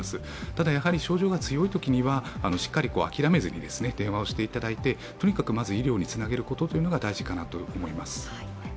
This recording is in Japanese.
ただ症状が強いときにはしっかり諦めずに電話をしていただいて、とにかくまず医療につなげることが大事かなと思います。